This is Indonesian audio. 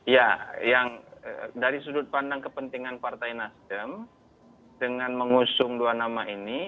ya yang dari sudut pandang kepentingan partai nasdem dengan mengusung dua nama ini